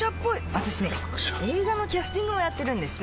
私ね、映画のキャスティングをやってるんです。